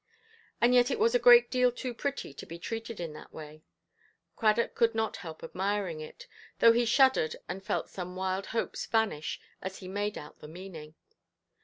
And yet it was a great deal too pretty to be treated in that way. Cradock could not help admiring it, though he shuddered and felt some wild hopes vanish as he made out the meaning.